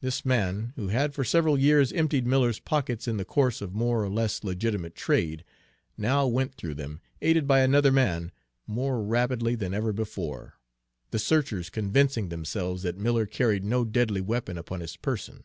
This man, who had for several years emptied Miller's pockets in the course of more or less legitimate trade, now went through them, aided by another man, more rapidly than ever before, the searchers convincing themselves that Miller carried no deadly weapon upon his person.